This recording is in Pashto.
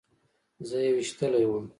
زه يې ويشتلى وم.